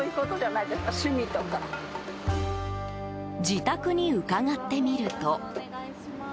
自宅に伺ってみると。